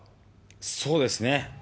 そうですね。